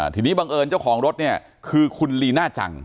ทีนี้บังเอิญเจ้าของรถเนี่ยคือคุณลีน่าจัง